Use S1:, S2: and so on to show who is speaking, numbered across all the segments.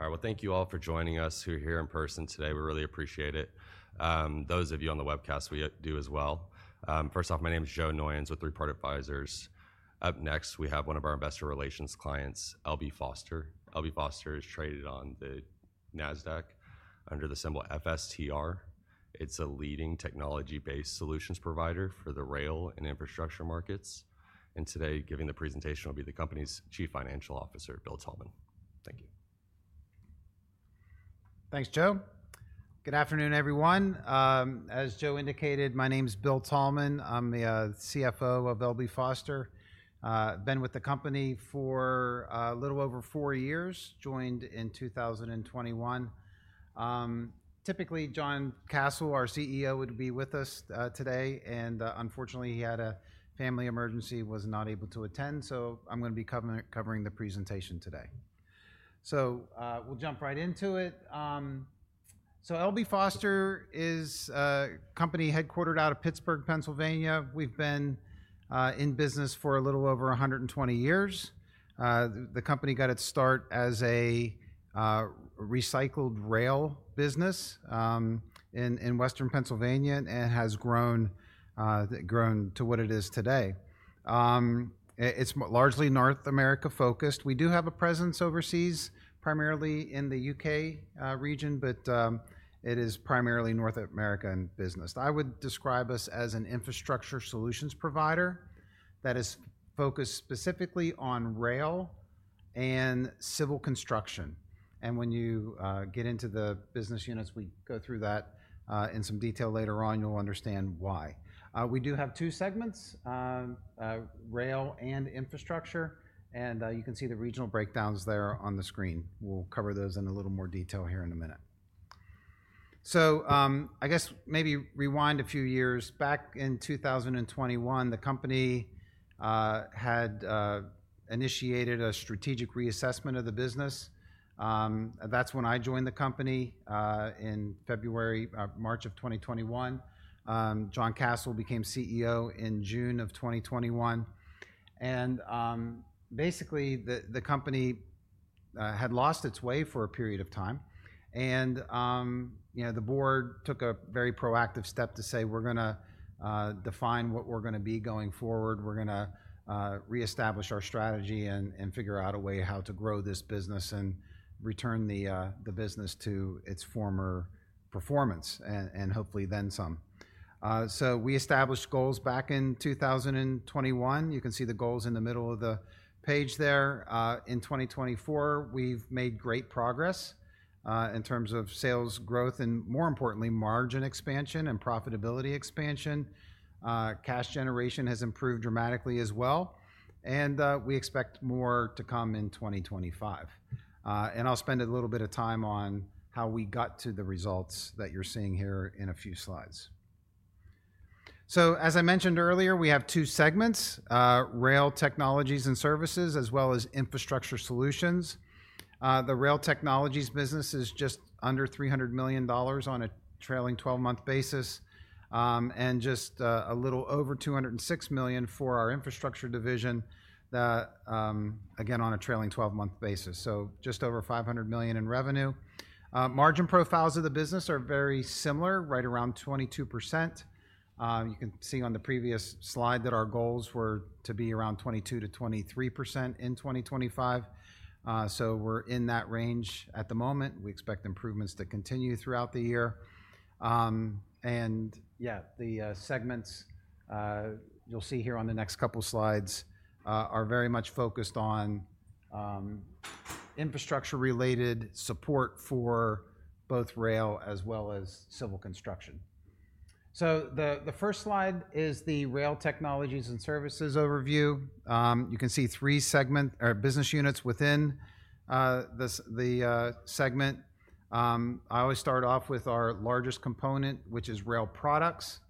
S1: All right. Thank you all for joining us here in person today. We really appreciate it. Those of you on the webcast, we do as well. First off, my name is Joe Noyons with Three Part Advisors. Up next, we have one of our investor relations clients, L.B. Foster. L.B. Foster is traded on the NASDAQ under the symbol FSTR. It is a leading technology-based solutions provider for the rail and infrastructure markets. Today, giving the presentation will be the company's Chief Financial Officer, Bill Thalman. Thank you.
S2: Thanks, Joe. Good afternoon, everyone. As Joe indicated, my name is Bill Thalman. I'm the CFO of L.B. Foster. I've been with the company for a little over four years, joined in 2021. Typically, John Kasel, our CEO, would be with us today. Unfortunately, he had a family emergency and was not able to attend. I'm going to be covering the presentation today. We'll jump right into it. L.B. Foster is a company headquartered out of Pittsburgh, Pennsylvania. We've been in business for a little over 120 years. The company got its start as a recycled rail business in western Pennsylvania and has grown to what it is today. It's largely North America-focused. We do have a presence overseas, primarily in the U.K. region, but it is primarily North American business. I would describe us as an infrastructure solutions provider that is focused specifically on rail and civil construction. When you get into the business units, we go through that in some detail later on. You'll understand why. We do have two segments: rail and infrastructure. You can see the regional breakdowns there on the screen. We'll cover those in a little more detail here in a minute. I guess maybe rewind a few years. Back in 2021, the company had initiated a strategic reassessment of the business. That's when I joined the company in February, March of 2021. John Kasel became CEO in June of 2021. Basically, the company had lost its way for a period of time. The board took a very proactive step to say, "We're going to define what we're going to be going forward. We're going to reestablish our strategy and figure out a way how to grow this business and return the business to its former performance and hopefully then some. We established goals back in 2021. You can see the goals in the middle of the page there. In 2024, we've made great progress in terms of sales growth and, more importantly, margin expansion and profitability expansion. Cash generation has improved dramatically as well. We expect more to come in 2025. I'll spend a little bit of time on how we got to the results that you're seeing here in a few slides. As I mentioned earlier, we have two segments: rail technologies and services, as well as infrastructure solutions. The rail technologies business is just under $300 million on a trailing 12-month basis and just a little over $206 million for our infrastructure division, again, on a trailing 12-month basis. So just over $500 million in revenue. Margin profiles of the business are very similar, right around 22%. You can see on the previous slide that our goals were to be around 22%-23% in 2025. So we're in that range at the moment. We expect improvements to continue throughout the year. And yeah, the segments you'll see here on the next couple of slides are very much focused on infrastructure-related support for both rail as well as civil construction. The first slide is the rail technologies and services overview. You can see three business units within the segment. I always start off with our largest component, which is rail products.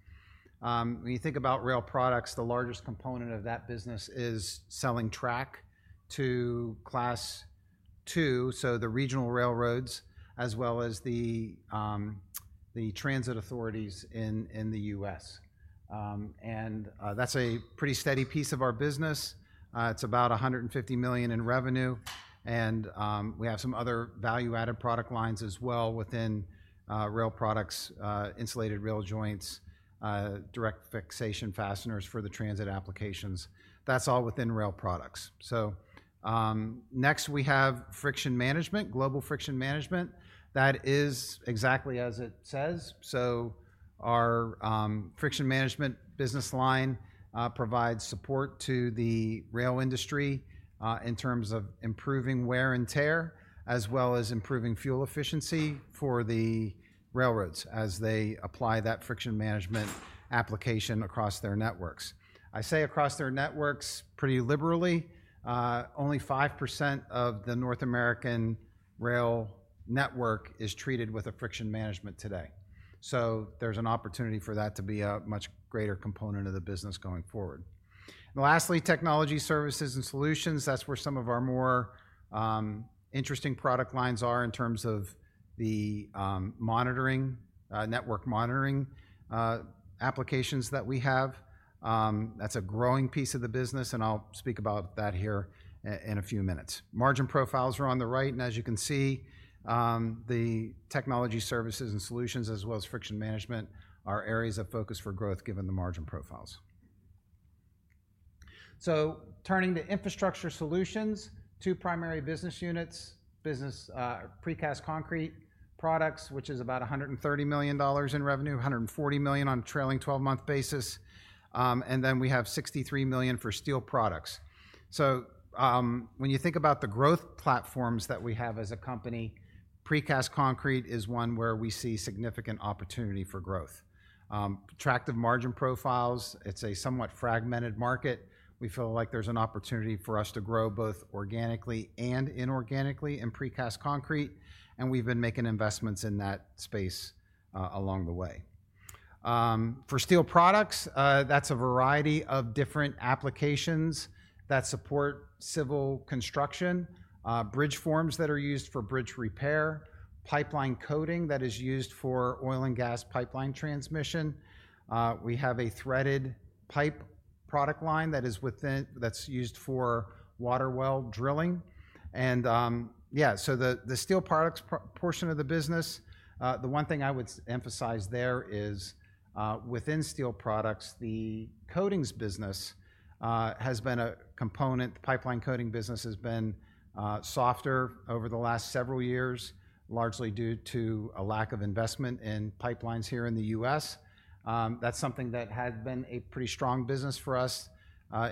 S2: When you think about rail products, the largest component of that business is selling track to Class 2, so the regional railroads, as well as the transit authorities in the U.S. That is a pretty steady piece of our business. It is about $150 million in revenue. We have some other value-added product lines as well within rail products: insulated rail joints, direct fixation fasteners for the transit applications. That is all within rail products. Next, we have friction management, global friction management. That is exactly as it says. Our friction management business line provides support to the rail industry in terms of improving wear and tear, as well as improving fuel efficiency for the railroads as they apply that friction management application across their networks. I say across their networks pretty liberally. Only 5% of the North American rail network is treated with friction management today. There is an opportunity for that to be a much greater component of the business going forward. Lastly, technology services and solutions. That is where some of our more interesting product lines are in terms of the network monitoring applications that we have. That is a growing piece of the business. I will speak about that here in a few minutes. Margin profiles are on the right. As you can see, the technology services and solutions, as well as friction management, are areas of focus for growth given the margin profiles. Turning to infrastructure solutions, two primary business units: precast concrete products, which is about $130 million in revenue, $140 million on a trailing 12-month basis. Then we have $63 million for steel products. When you think about the growth platforms that we have as a company, precast concrete is one where we see significant opportunity for growth. Attractive margin profiles. It is a somewhat fragmented market. We feel like there is an opportunity for us to grow both organically and inorganically in precast concrete. We have been making investments in that space along the way. For steel products, that is a variety of different applications that support civil construction: bridge forms that are used for bridge repair, pipeline coating that is used for oil and gas pipeline transmission. We have a threaded pipe product line that is used for water well drilling. Yeah, so the steel products portion of the business, the one thing I would emphasize there is within steel products, the coatings business has been a component. The pipeline coating business has been softer over the last several years, largely due to a lack of investment in pipelines here in the U.S. That is something that had been a pretty strong business for us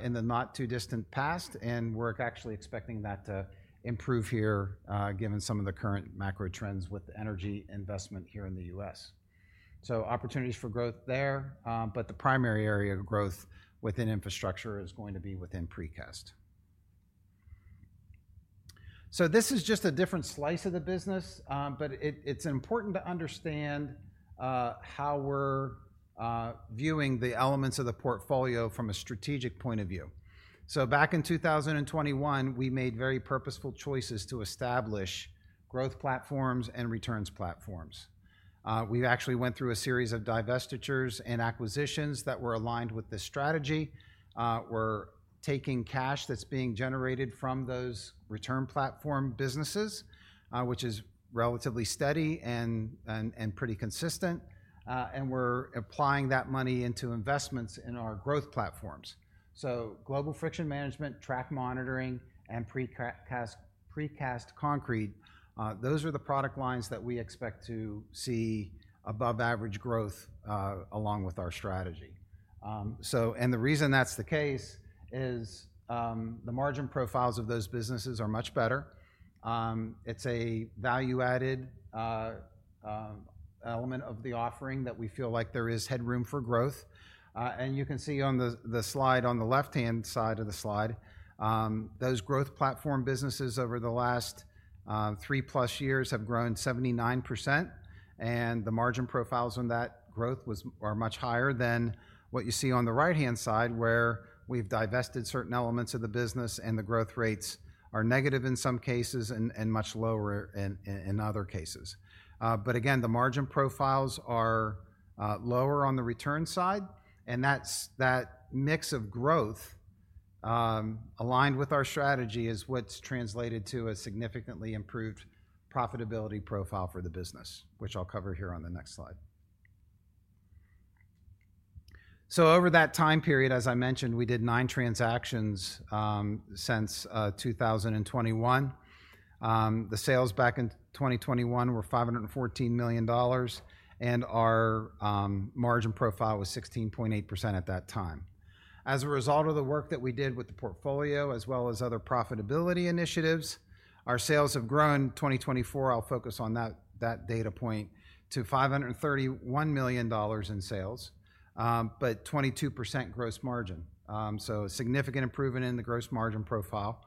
S2: in the not-too-distant past. We are actually expecting that to improve here given some of the current macro trends with energy investment here in the U.S. Opportunities for growth there. The primary area of growth within infrastructure is going to be within precast. This is just a different slice of the business. It is important to understand how we are viewing the elements of the portfolio from a strategic point of view. Back in 2021, we made very purposeful choices to establish growth platforms and returns platforms. We actually went through a series of divestitures and acquisitions that were aligned with this strategy. We are taking cash that is being generated from those return platform businesses, which is relatively steady and pretty consistent, and we are applying that money into investments in our growth platforms. Global friction management, track monitoring, and precast concrete, those are the product lines that we expect to see above-average growth along with our strategy. The reason that's the case is the margin profiles of those businesses are much better. It's a value-added element of the offering that we feel like there is headroom for growth. You can see on the slide on the left-hand side of the slide, those growth platform businesses over the last three-plus years have grown 79%. The margin profiles on that growth are much higher than what you see on the right-hand side, where we've divested certain elements of the business, and the growth rates are negative in some cases and much lower in other cases. Again, the margin profiles are lower on the return side. That mix of growth aligned with our strategy is what's translated to a significantly improved profitability profile for the business, which I'll cover here on the next slide. Over that time period, as I mentioned, we did nine transactions since 2021. The sales back in 2021 were $514 million, and our margin profile was 16.8% at that time. As a result of the work that we did with the portfolio, as well as other profitability initiatives, our sales have grown in 2024. I'll focus on that data point to $531 million in sales, but 22% gross margin. A significant improvement in the gross margin profile.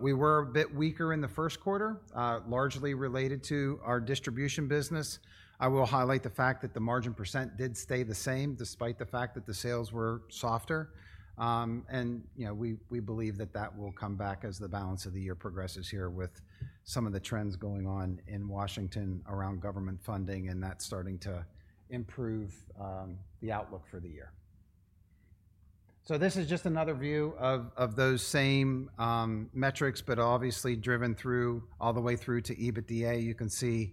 S2: We were a bit weaker in the first quarter, largely related to our distribution business. I will highlight the fact that the margin percent did stay the same despite the fact that the sales were softer. We believe that that will come back as the balance of the year progresses here with some of the trends going on in Washington around government funding and that starting to improve the outlook for the year. This is just another view of those same metrics, but obviously driven all the way through to EBITDA. You can see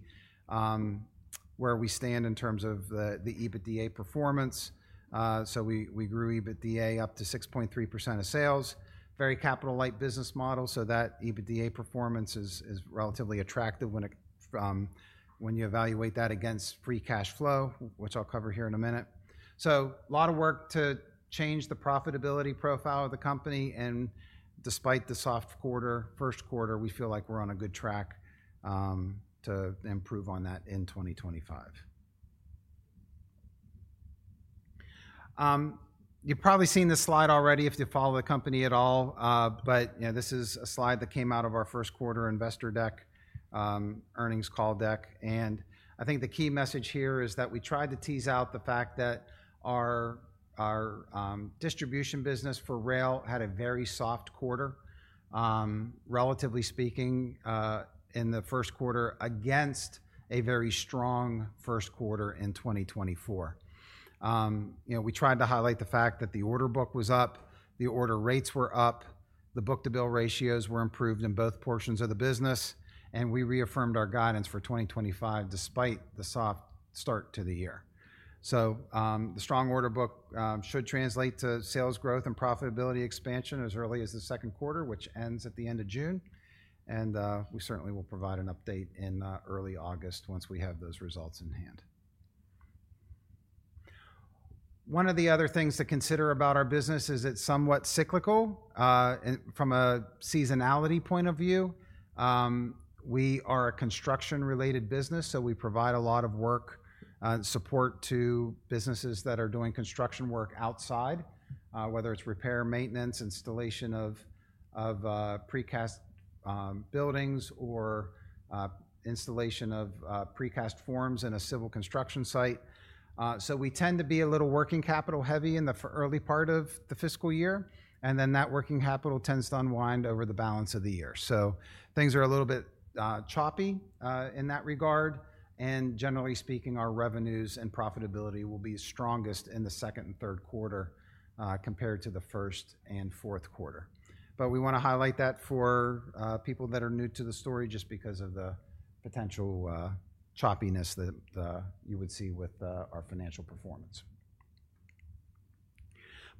S2: where we stand in terms of the EBITDA performance. We grew EBITDA up to 6.3% of sales. Very capital-light business model. That EBITDA performance is relatively attractive when you evaluate that against free cash flow, which I'll cover here in a minute. A lot of work to change the profitability profile of the company. Despite the soft quarter, first quarter, we feel like we're on a good track to improve on that in 2025. You've probably seen this slide already if you follow the company at all. This is a slide that came out of our first quarter investor deck, earnings call deck. I think the key message here is that we tried to tease out the fact that our distribution business for rail had a very soft quarter, relatively speaking, in the first quarter against a very strong first quarter in 2024. We tried to highlight the fact that the order book was up, the order rates were up, the book-to-bill ratios were improved in both portions of the business. We reaffirmed our guidance for 2025 despite the soft start to the year. The strong order book should translate to sales growth and profitability expansion as early as the second quarter, which ends at the end of June. We certainly will provide an update in early August once we have those results in hand. One of the other things to consider about our business is it's somewhat cyclical from a seasonality point of view. We are a construction-related business, so we provide a lot of work support to businesses that are doing construction work outside, whether it's repair, maintenance, installation of precast buildings, or installation of precast forms in a civil construction site. We tend to be a little working capital heavy in the early part of the fiscal year. That working capital tends to unwind over the balance of the year. Things are a little bit choppy in that regard. Generally speaking, our revenues and profitability will be strongest in the second and third quarter compared to the first and fourth quarter. We want to highlight that for people that are new to the story just because of the potential choppiness that you would see with our financial performance.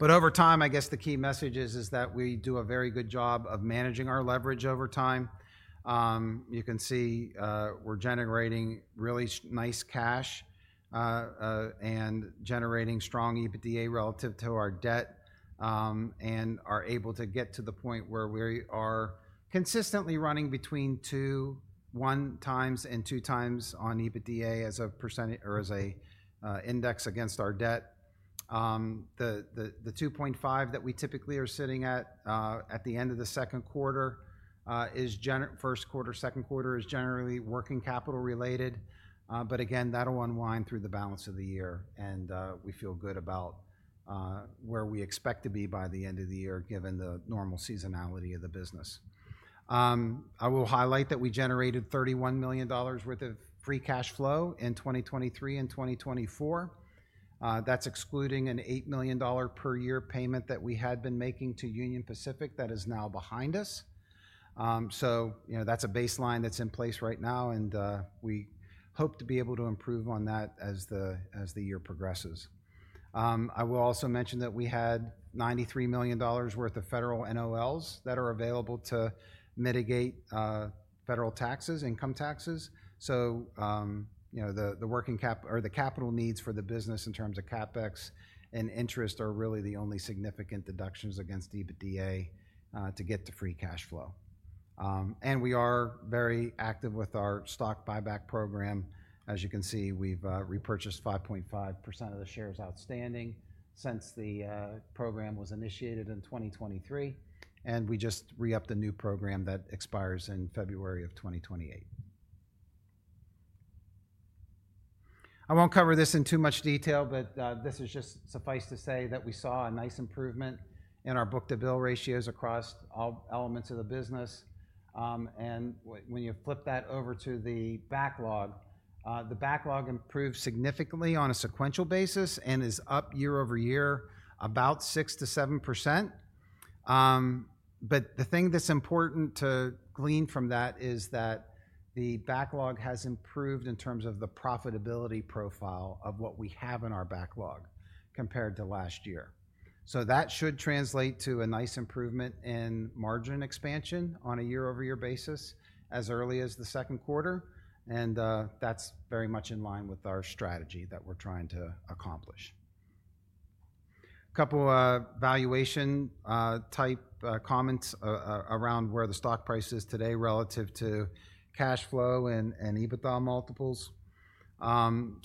S2: Over time, I guess the key message is that we do a very good job of managing our leverage over time. You can see we're generating really nice cash and generating strong EBITDA relative to our debt and are able to get to the point where we are consistently running between 1 times and 2 times on EBITDA as a percentage or as an index against our debt. The 2.5 that we typically are sitting at at the end of the second quarter is first quarter, second quarter is generally working capital related. That will unwind through the balance of the year. We feel good about where we expect to be by the end of the year given the normal seasonality of the business. I will highlight that we generated $31 million worth of free cash flow in 2023 and 2024. That is excluding an $8 million per year payment that we had been making to Union Pacific that is now behind us. That is a baseline that is in place right now. We hope to be able to improve on that as the year progresses. I will also mention that we had $93 million worth of federal NOLs that are available to mitigate federal income taxes. The working capital or the capital needs for the business in terms of CapEx and interest are really the only significant deductions against EBITDA to get to free cash flow. We are very active with our stock buyback program. As you can see, we've repurchased 5.5% of the shares outstanding since the program was initiated in 2023. We just re-upped a new program that expires in February of 2028. I won't cover this in too much detail, but this is just suffice to say that we saw a nice improvement in our book-to-bill ratios across all elements of the business. When you flip that over to the backlog, the backlog improved significantly on a sequential basis and is up year over year, about 6-7%. The thing that's important to glean from that is that the backlog has improved in terms of the profitability profile of what we have in our backlog compared to last year. That should translate to a nice improvement in margin expansion on a year-over-year basis as early as the second quarter. That is very much in line with our strategy that we are trying to accomplish. A couple of valuation-type comments around where the stock price is today relative to cash flow and EBITDA multiples. Our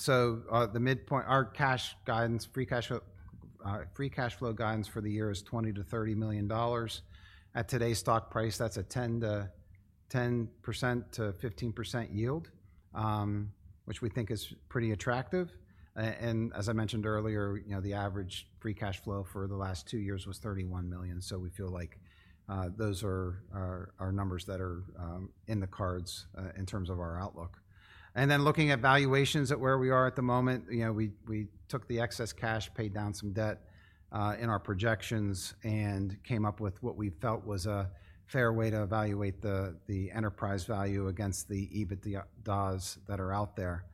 S2: cash guidance, free cash flow guidance for the year is $20 million-$30 million. At today's stock price, that is a 10%-15% yield, which we think is pretty attractive. As I mentioned earlier, the average free cash flow for the last two years was $31 million. We feel like those are numbers that are in the cards in terms of our outlook. Looking at valuations at where we are at the moment, we took the excess cash, paid down some debt in our projections, and came up with what we felt was a fair way to evaluate the enterprise value against the EBITDAs that are out there.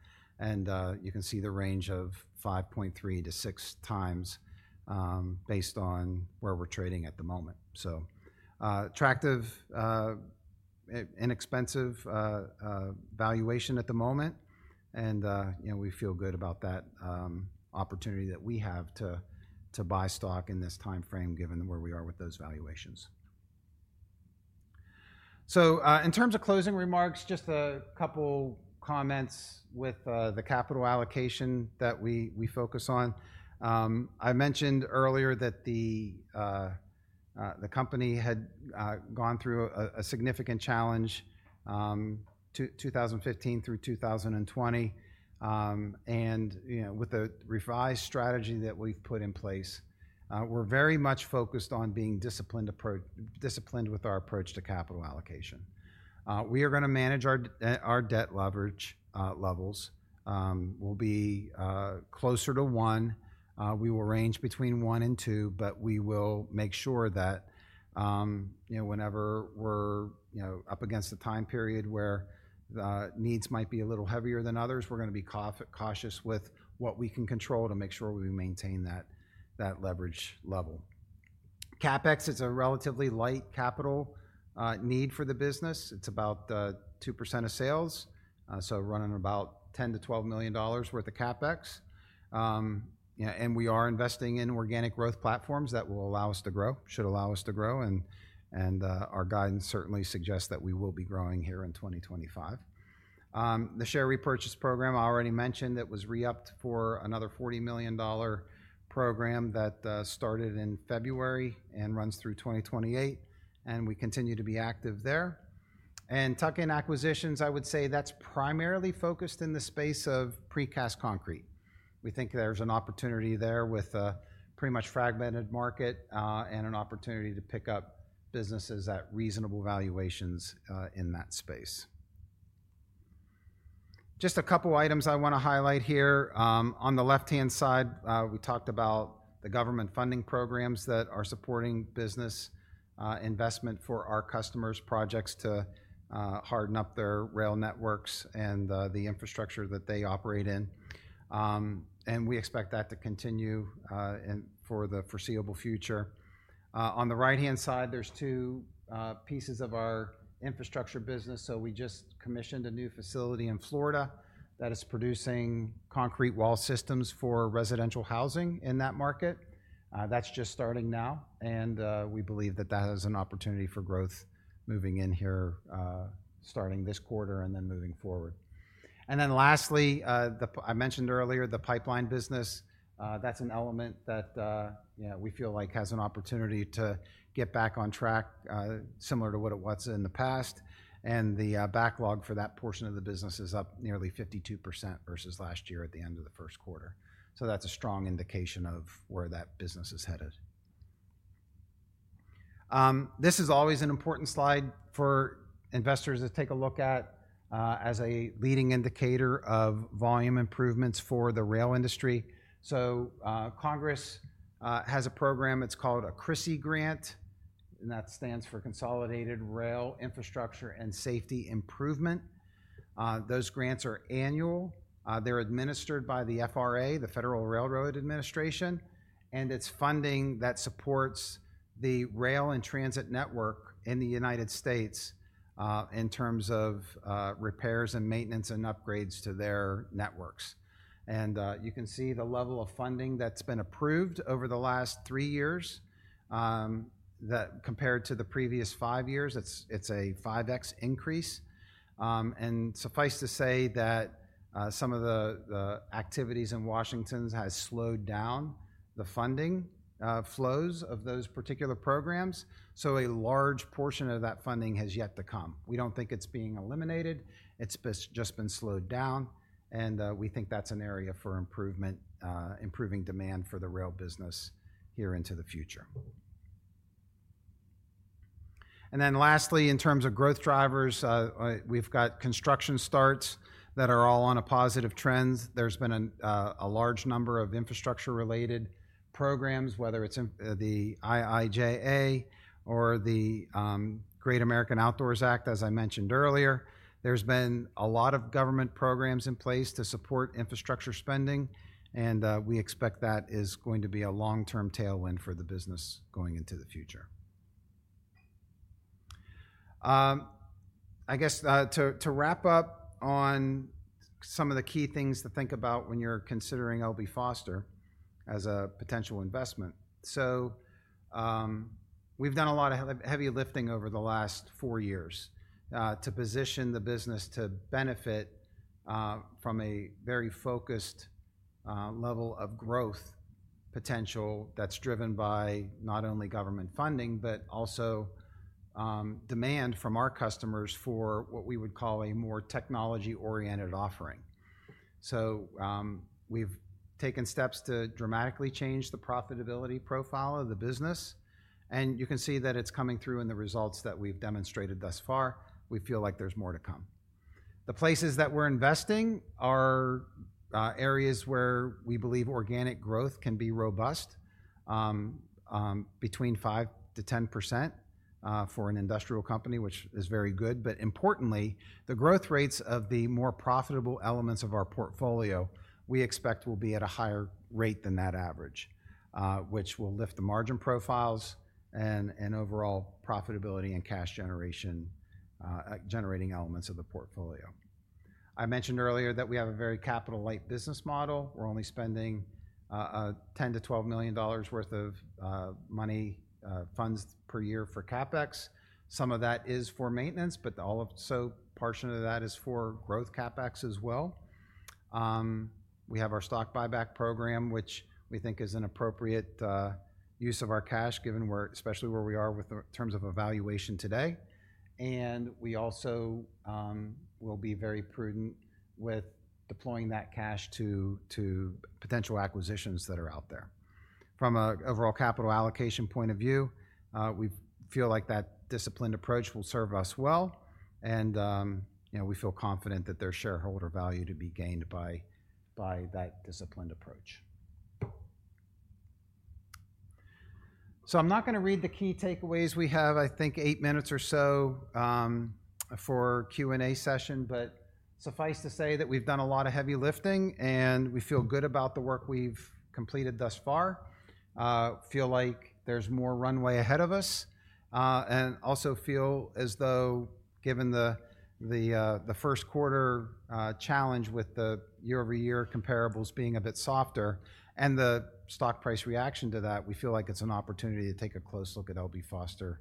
S2: You can see the range of 5.3-6 times based on where we're trading at the moment. Attractive, inexpensive valuation at the moment. We feel good about that opportunity that we have to buy stock in this timeframe given where we are with those valuations. In terms of closing remarks, just a couple of comments with the capital allocation that we focus on. I mentioned earlier that the company had gone through a significant challenge 2015 through 2020. With the revised strategy that we've put in place, we're very much focused on being disciplined with our approach to capital allocation. We are going to manage our debt leverage levels. We'll be closer to one. We will range between one and two, but we will make sure that whenever we're up against a time period where needs might be a little heavier than others, we're going to be cautious with what we can control to make sure we maintain that leverage level. CapEx is a relatively light capital need for the business. It's about 2% of sales, so running about $10 million-$12 million worth of CapEx. We are investing in organic growth platforms that will allow us to grow, should allow us to grow. Our guidance certainly suggests that we will be growing here in 2025. The share repurchase program I already mentioned, that was re-upped for another $40 million program that started in February and runs through 2028. We continue to be active there. Tuck-in acquisitions, I would say that's primarily focused in the space of precast concrete. We think there's an opportunity there with a pretty much fragmented market and an opportunity to pick up businesses at reasonable valuations in that space. Just a couple of items I want to highlight here. On the left-hand side, we talked about the government funding programs that are supporting business investment for our customers, projects to harden up their rail networks and the infrastructure that they operate in. We expect that to continue for the foreseeable future. On the right-hand side, there are two pieces of our infrastructure business. We just commissioned a new facility in Florida that is producing concrete wall systems for residential housing in that market. That's just starting now. We believe that that is an opportunity for growth moving in here starting this quarter and then moving forward. Lastly, I mentioned earlier the pipeline business. That's an element that we feel like has an opportunity to get back on track similar to what it was in the past. The backlog for that portion of the business is up nearly 52% versus last year at the end of the first quarter. That's a strong indication of where that business is headed. This is always an important slide for investors to take a look at as a leading indicator of volume improvements for the rail industry. Congress has a program. It's called a CRISI grant. That stands for Consolidated Rail Infrastructure and Safety Improvement. Those grants are annual. They're administered by the FRA, the Federal Railroad Administration. It's funding that supports the rail and transit network in the United States in terms of repairs and maintenance and upgrades to their networks. You can see the level of funding that has been approved over the last three years that compared to the previous five years, it is a 5x increase. Suffice to say that some of the activities in Washington have slowed down the funding flows of those particular programs. A large portion of that funding has yet to come. We do not think it is being eliminated. It has just been slowed down. We think that is an area for improvement, improving demand for the rail business here into the future. Lastly, in terms of growth drivers, we have construction starts that are all on a positive trend. There has been a large number of infrastructure-related programs, whether it is the IIJA or the Great American Outdoors Act, as I mentioned earlier. There have been a lot of government programs in place to support infrastructure spending. We expect that is going to be a long-term tailwind for the business going into the future. I guess to wrap up on some of the key things to think about when you're considering L.B. Foster as a potential investment. We've done a lot of heavy lifting over the last four years to position the business to benefit from a very focused level of growth potential that's driven by not only government funding, but also demand from our customers for what we would call a more technology-oriented offering. We've taken steps to dramatically change the profitability profile of the business. You can see that it's coming through in the results that we've demonstrated thus far. We feel like there's more to come. The places that we're investing are areas where we believe organic growth can be robust between 5%-10% for an industrial company, which is very good. Importantly, the growth rates of the more profitable elements of our portfolio, we expect will be at a higher rate than that average, which will lift the margin profiles and overall profitability and cash generation generating elements of the portfolio. I mentioned earlier that we have a very capital-light business model. We're only spending $10 million-12 million per year for CapEx. Some of that is for maintenance, but also a portion of that is for growth CapEx as well. We have our stock buyback program, which we think is an appropriate use of our cash, especially where we are with terms of evaluation today. We also will be very prudent with deploying that cash to potential acquisitions that are out there. From an overall capital allocation point of view, we feel like that disciplined approach will serve us well. We feel confident that there is shareholder value to be gained by that disciplined approach. I am not going to read the key takeaways. We have, I think, eight minutes or so for a Q&A session. Suffice to say that we have done a lot of heavy lifting. We feel good about the work we have completed thus far. We feel like there is more runway ahead of us. We also feel as though, given the first quarter challenge with the year-over-year comparables being a bit softer and the stock price reaction to that, we feel like it is an opportunity to take a close look at L.B. Foster.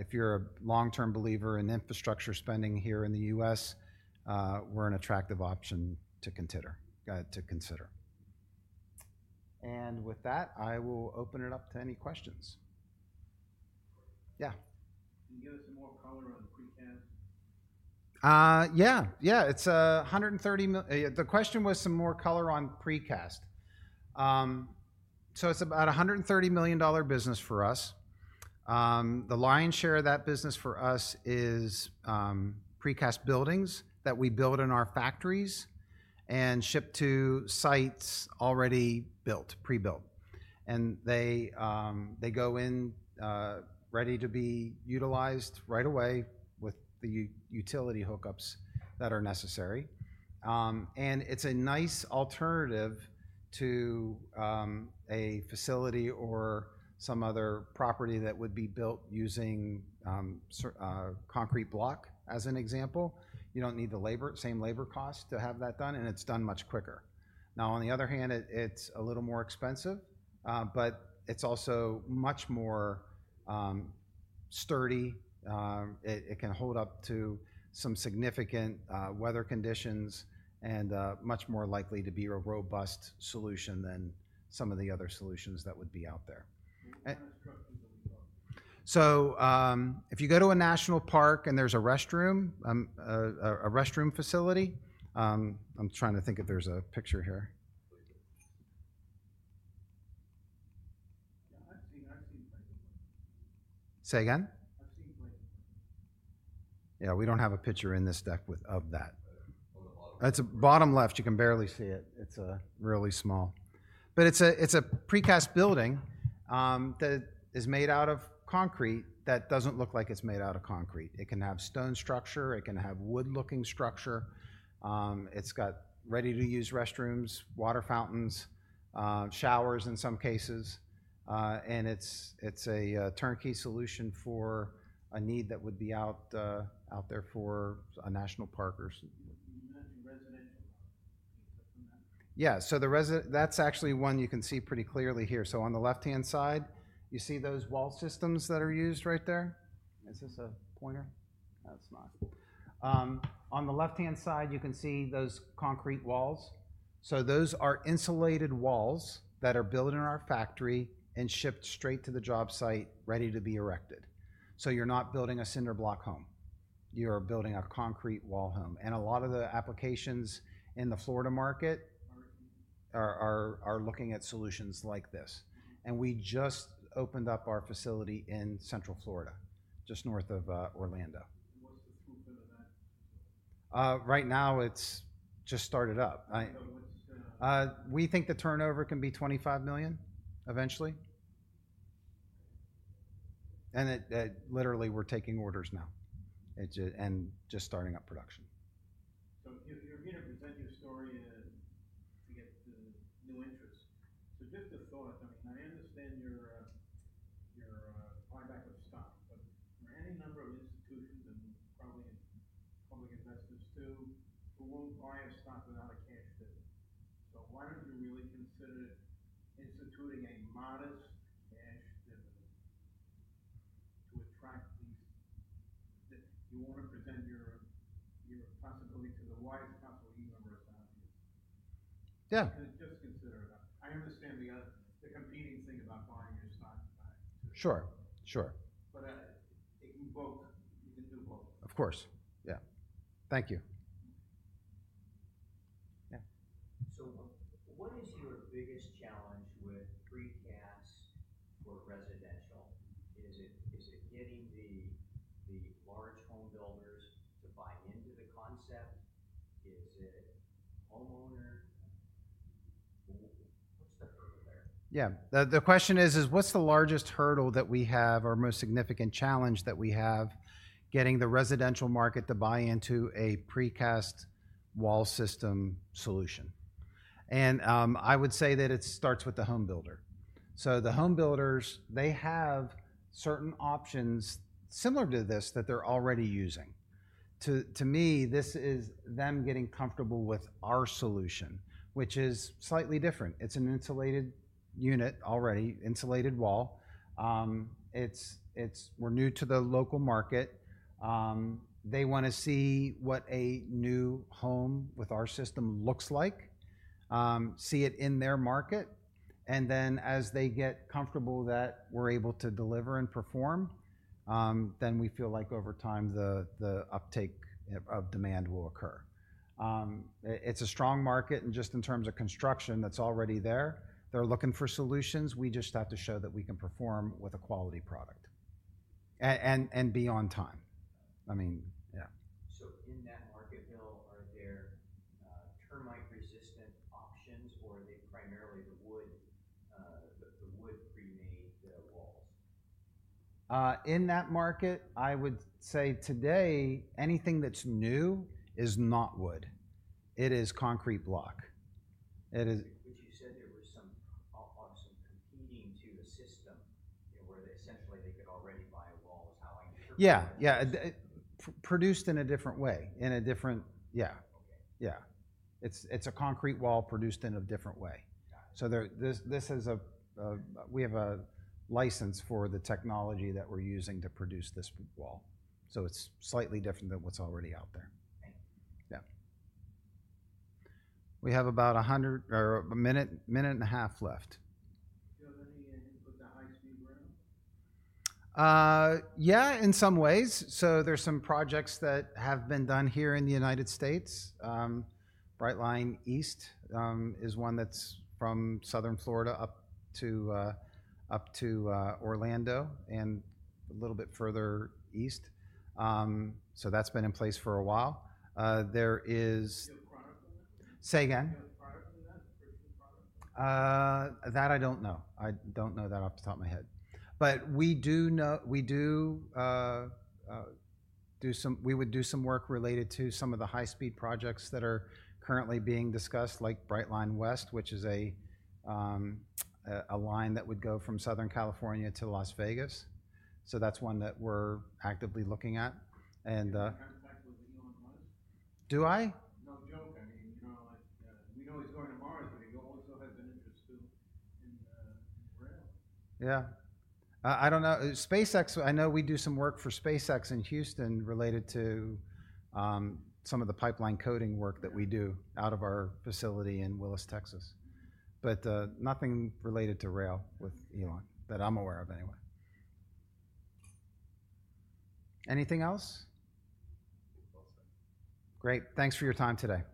S2: If you're a long-term believer in infrastructure spending here in the U.S., we're an attractive option to consider. With that, I will open it up to any questions. Yeah. Can you give us some more color on precast? Yeah. Yeah. The question was some more color on precast. It's about a $130 million business for us. The lion's share of that business for us is precast buildings that we build in our factories and ship to sites already built, prebuilt. They go in ready to be utilized right away with the utility hookups that are necessary. It's a nice alternative to a facility or some other property that would be built using concrete block as an example. You don't need the same labor cost to have that done. It's done much quicker. Now, on the other hand, it's a little more expensive. It is also much more sturdy. It can hold up to some significant weather conditions and is much more likely to be a robust solution than some of the other solutions that would be out there. If you go to a national park and there is a restroom, a restroom facility, I am trying to think if there is a picture here. Yeah, I have seen places. Say again? I have seen places. Yeah, we do not have a picture in this deck of that. That is bottom left. You can barely see it. It is really small. It is a precast building that is made out of concrete that does not look like it is made out of concrete. It can have stone structure. It can have wood-looking structure. It has got ready-to-use restrooms, water fountains, showers in some cases. It is a turnkey solution for a need that would be out there for a national park or residential. Yeah. That's actually one you can see pretty clearly here. On the left-hand side, you see those wall systems that are used right there. Is this a pointer? That's not. On the left-hand side, you can see those concrete walls. Those are insulated walls that are built in our factory and shipped straight to the job site ready to be erected. You're not building a cinder block home. You're building a concrete wall home. A lot of the applications in the Florida market are looking at solutions like this. We just opened up our facility in Central Florida, just north of Orlando. Right now, it's just started up. We think the turnover can be $25 million eventually. Literally, we're taking orders now and just starting up production.
S1: If you're here to present your story and to get new interest, just a thought. I mean, I understand your buyback of stock, but there are any number of institutions and probably public investors too who won't buy a stock without a cash dividend. Why don't you really consider instituting a modest cash dividend to attract these? You want to present your possibility to the widest possible universe out here. Just consider it. I understand the competing thing about buying your stock.
S2: Sure. Sure. Of course. Yeah. Thank you. Yeah.
S1: What is your biggest challenge with precast for residential? Is it getting the large home builders to buy into the concept? Is it?
S2: Yeah. The question is, what's the largest hurdle that we have, our most significant challenge that we have getting the residential market to buy into a precast wall system solution? I would say that it starts with the home builder. The home builders, they have certain options similar to this that they're already using. To me, this is them getting comfortable with our solution, which is slightly different. It's an insulated unit already, insulated wall. We're new to the local market. They want to see what a new home with our system looks like, see it in their market. As they get comfortable that we're able to deliver and perform, we feel like over time, the uptake of demand will occur. It's a strong market. Just in terms of construction that's already there, they're looking for solutions. We just have to show that we can perform with a quality product and be on time. I mean, yeah.
S1: In that market, Bill, are there termite-resistant options, or are they primarily the wood, the wood-premade walls?
S2: In that market, I would say today, anything that's new is not wood. It is concrete block. Yeah. Produced in a different way. In a different, yeah. Yeah. It is a concrete wall produced in a different way. We have a license for the technology that we are using to produce this wall, so it is slightly different than what is already out there. Yeah. We have about a minute, minute and a half left. Yeah, in some ways. There are some projects that have been done here in the U.S. Brightline East is one that's from Southern Florida up to Orlando and a little bit further east. That's been in place for a while. Say again? That I don't know. I don't know that off the top of my head. We do do some work related to some of the high-speed projects that are currently being discussed, like Brightline West, which is a line that would go from Southern California to Las Vegas. That's one that we're actively looking at. Do I? Yeah. I don't know. SpaceX, I know we do some work for SpaceX in Houston related to some of the pipeline coating work that we do out of our facility in Willis, Texas. But nothing related to rail with Elon that I'm aware of anyway. Anything else? Great. Thanks for your time today.